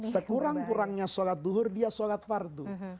sekurang kurangnya sholat duhur dia sholat fardu